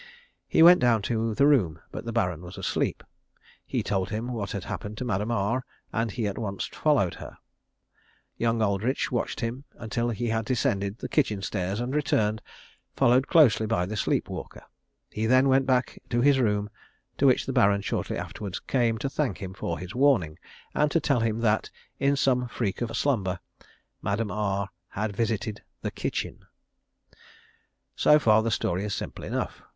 He went down to the room, but the Baron was asleep. He told him what had happened to Madame R, and he at once followed her. Young Aldridge watched him until he had descended the kitchen stairs and returned, followed closely by the sleep walker. He then went back to his room, to which the Baron shortly afterwards came to thank him for his warning, and to tell him that, in some freak of slumber, Madame R had visited the kitchen. So far the story is simple enough.